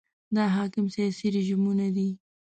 دا حاکم سیاسي رژیمونه دي.